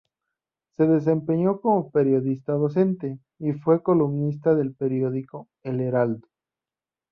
Se desempeñó como periodista docente y fue columnista del periódico El Heraldo.